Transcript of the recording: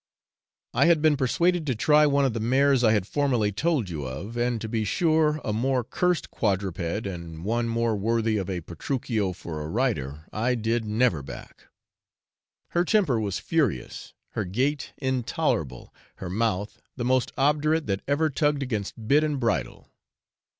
I had been persuaded to try one of the mares I had formerly told you of, and to be sure a more 'curst' quadruped, and one more worthy of a Petruchio for a rider I did never back. Her temper was furious, her gait intolerable, her mouth, the most obdurate that ever tugged against bit and bridle.